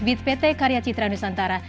bit pt karya citra nusantara